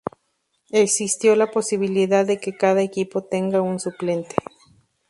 Existió la posibilidad de que cada equipo tenga un suplente.